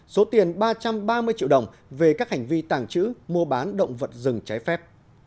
số tiền ba trăm ba mươi triệu đồng về các hành vi tàng trữ mua bán động vật rừng trái phép